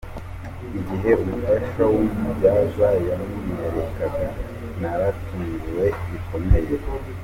Igihe umufasha w’umubyaza yamunyerekaga naratunguwe bikomeye.